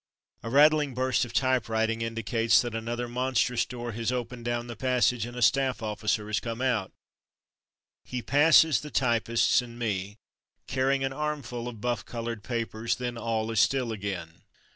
A rattling burst of typewriting indicates that another monstrous door has opened down the passage, and a staff officer has come out. He passes the typists and me, carrying an armful of buff coloured papers, then all is still again.